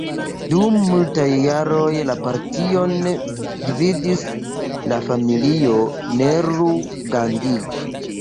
Dum multaj jaroj, la partion gvidis la familio Nehru-Gandhi.